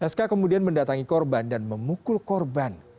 sk kemudian mendatangi korban dan memukul korban